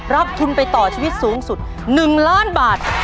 ทุนไปต่อชีวิตสูงสุด๑ล้านบาท